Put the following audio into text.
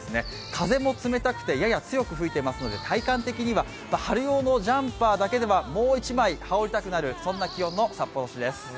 風も冷たくてやや強く吹いていますので体感的には春用のジャンパーだけではもう１枚羽織りたくなる、そんな気温の札幌市です。